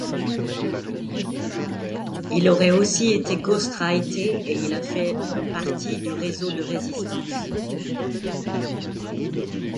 Il aurait aussi été ghostwriter et il a fait partie du Réseau de résistance.